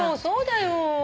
そうだよ。